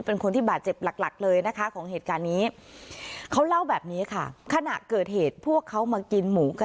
เป็นคนที่บาดเจ็บหลักหลักเลยนะคะของเหตุการณ์นี้